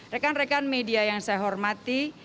rekan rekan media yang saya hormati